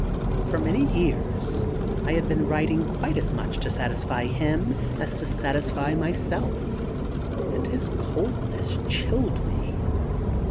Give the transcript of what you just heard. For many years I had been writing quite as much to satisfy him as to satisfy myself, and his coldness chilled me.